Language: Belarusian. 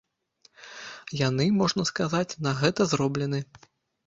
Яны, можна сказаць, на гэта зроблены.